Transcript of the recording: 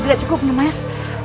biarkan aku membantu munyai